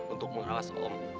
untuk menghalas om